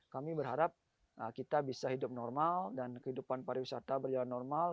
kami berharap kita bisa hidup normal dan kehidupan pariwisata berjalan normal